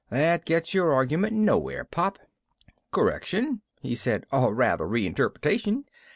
That gets your argument nowhere, Pop." "Correction," he said. "Or rather, re interpretation."